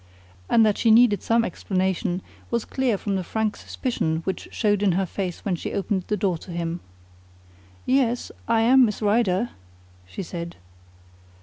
And that she needed some explanation was clear from the frank suspicion which showed in her face when she opened the door to him. "Yes, I am Miss Rider," she said.